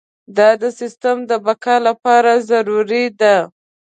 دا د سیستم د بقا لپاره ضروري ده.